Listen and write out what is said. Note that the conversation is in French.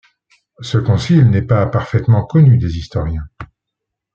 Ce concile n'est pas parfaitement connu des historiens.